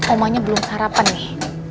omanya belum sarapan nih